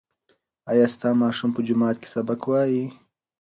ایا ستا ماشوم په جومات کې سبق وایي؟